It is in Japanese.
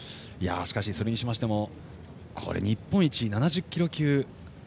それにしましても日本一、７０キロ級。